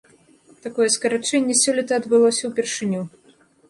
Такое скарачэнне сёлета адбылося ўпершыню.